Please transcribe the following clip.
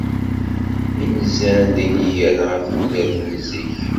Inzan d inigan ɣef tudert n zik.